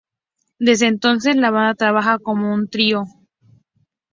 Desde entonces la banda trabaja como un trío.